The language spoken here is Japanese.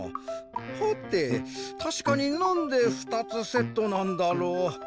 はてたしかになんで２つセットなんだろう？